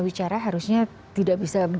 bicara harusnya tidak bisa